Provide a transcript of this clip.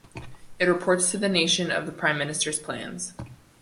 It reports to the nation of the Prime Ministers plans.